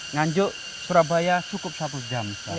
nganjuk surabaya cukup satu jam